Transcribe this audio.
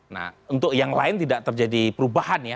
nah untuk yang lain tidak terjadi perubahan ya